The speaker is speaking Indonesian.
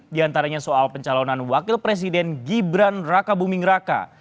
diantaranya soal pencalonan wakil presiden gibrana kabumi ngeraka